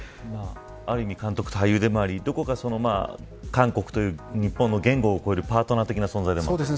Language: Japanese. ある意味、監督と俳優でもありどこが監督と日本の言語を越えるパートナー的な存在でもあった。